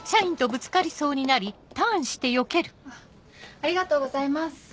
ありがとうございます。